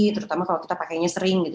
terutama kalau kita pakainya sering gitu